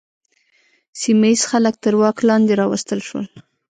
سیمه ییز خلک تر واک لاندې راوستل شول.